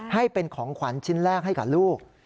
ให้เป็นของขวัญชิ้นแรกให้กับลูก